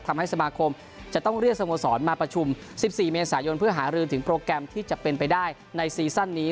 ทำให้สมาคมจะต้องเรียกสโมสรมาประชุม๑๔เมษายนเพื่อหารือถึงโปรแกรมที่จะเป็นไปได้ในซีซั่นนี้